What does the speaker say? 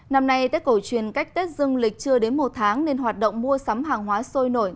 năm nay tết cổ truyền cách tết dương lịch chưa đến một tháng nên hoạt động mua sắm hàng hóa sôi nổi